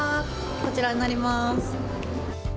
こちらになります。